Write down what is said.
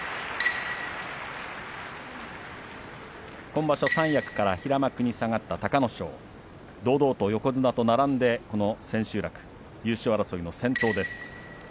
今場所、三役から平幕に下がった隆の勝堂々と横綱と並んでこの千秋楽優勝争いの先頭です。